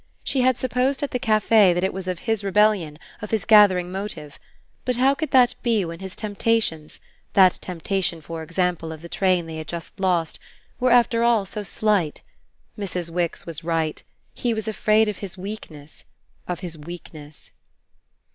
She had supposed at the café that it was of his rebellion, of his gathering motive; but how could that be when his temptations that temptation for example of the train they had just lost were after all so slight? Mrs. Wix was right. He was afraid of his weakness of his weakness.